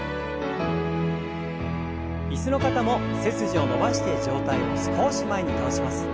椅子の方も背筋を伸ばして上体を少し前に倒します。